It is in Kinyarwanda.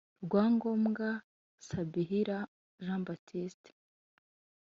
Rwangombwa sabihira j baptiste